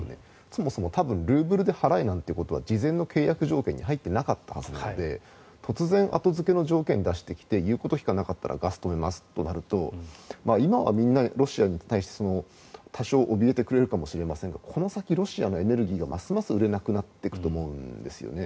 そもそもルーブルで払えなんてことは事前の契約条件に入ってなかったはずなので突然、後付けの条件を出してきて言うことを聞かなかったらガスを止めますとなると今はみんな、ロシアに対して多少、おびえてくれるかもしれませんがこの先、ロシアのエネルギーがますます売れなくなっていくと思いますよね。